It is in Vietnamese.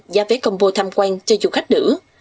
giá vé combo tham quan cho chùa khách nữ